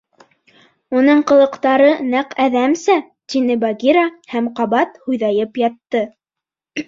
Уның ҡылыҡтары нәҡ әҙәмсә, — тине Багира һәм ҡабат һуйҙайып ятты.